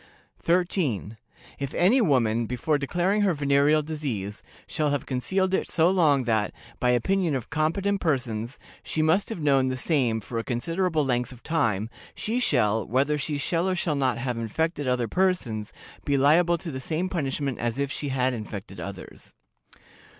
"13. If any woman, before declaring her venereal disease, shall have concealed it so long that, by opinion of competent persons, she must have known the same for a considerable length of time, she shall, whether she shall or shall not have infected other persons, be liable to the same punishment as if she had infected others.